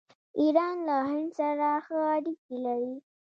ایران له هند سره ښه اړیکې لري.